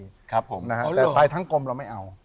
แต่ไปทั้งกรมเราไม่เอา